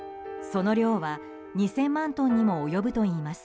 その量は２０００万トンにも及ぶといいます。